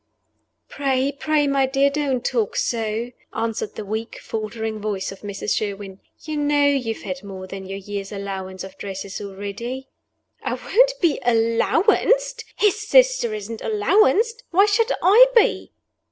"Pray pray, my dear, don't talk so," answered the weak, faltering voice of Mrs. Sherwin; "you know you have had more than your year's allowance of dresses already." "I won't be allowanced. His sister isn't allowanced: why should I be?"